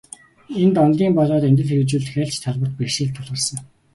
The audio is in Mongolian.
Энд, онолын болоод амьдралд хэрэгжүүлэх аль ч талбарт бэрхшээл тулгарсан.